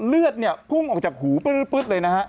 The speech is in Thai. เลือดพุ่งออกจากหูปื๊ดเลยนะครับ